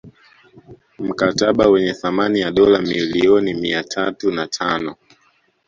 Mkataba wenye thamani ya dola milioni mia tatu na tano